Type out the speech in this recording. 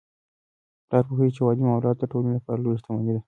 پلار پوهیږي چي یو عالم اولاد د ټولنې لپاره لویه شتمني ده.